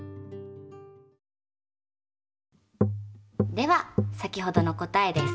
では先ほどの答えです。